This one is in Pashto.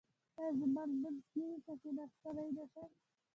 ایا زما لمونځ کیږي که کیناستلی نشم؟